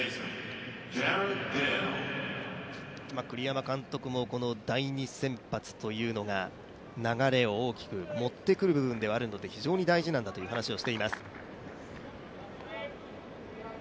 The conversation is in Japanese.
今、栗山監督も第２先発というのが流れを大きく持ってくる部分ではあるので非常に大事なんだという話をしています。